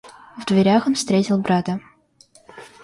В дверях он встретил брата.